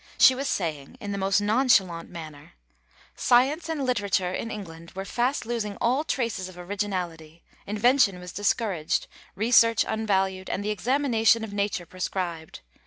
She was saying in the most nonchalant manner: "Science and literature in England were fast losing all traces of originality, invention was discouraged, research unvalued and the examination of nature proscribed.